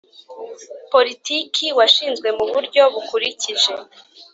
Politiki washinzwe mu buryo bukurikije